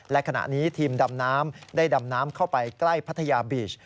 และขณะนี้ทีมดำน้ำได้ดำน้ำเข้าไปใกล้พัทยาบีช